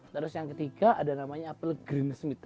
terus yang ketiga ada namanya apel green smith